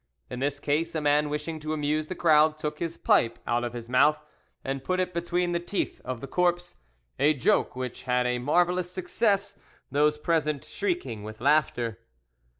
In this case, a man wishing to amuse the crowd took his pipe out of his mouth and put it between the teeth of the corpse—a joke which had a marvellous success, those present shrieking with laughter.